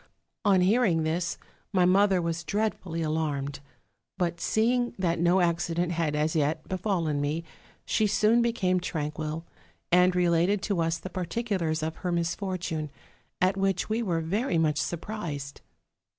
On hearing this, my mother was dreadfully alarmed; but seeing that no accident had as yet befallen me, she soon became tranquil, and related to us the particulars of her misfortune: at which we were very much surprised.